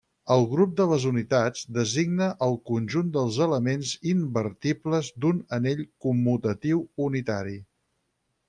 El grup de les unitats designa el conjunt dels elements invertibles d'un anell commutatiu unitari.